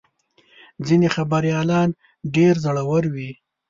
ځینې خبریالان ډېر زړور وي.